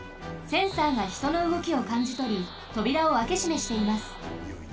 センサーがひとのうごきをかんじとりとびらをあけしめしています。